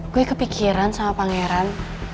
gue kepikiran sama pangeran